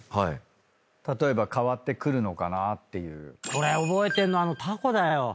俺覚えてんのあのタコだよ。